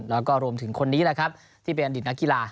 แล้วก็รวมถึงคนนี้แหละครับที่เป็นอดีตนักกีฬา